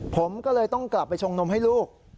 ผมก็เลยต้องกลับไปชงนมให้ลูก